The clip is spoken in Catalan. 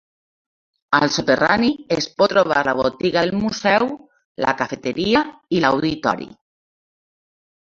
Al soterrani es pot trobar la botiga del museu, la cafeteria i l'auditori.